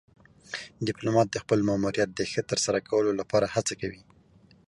ډيپلومات د خپل ماموریت د ښه ترسره کولو لپاره هڅه کوي.